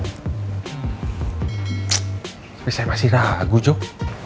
tapi saya masih ragu jok